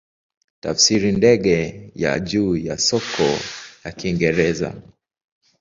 Tafsiri ndege ya juu ya soka ya Kiingereza.